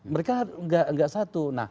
mereka tidak satu